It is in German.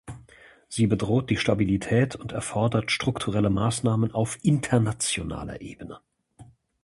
Sie bedroht die Stabilität und erfordert strukturelle Maßnahmen auf internationaler Ebene.